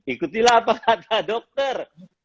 ikutilah apa kata dokter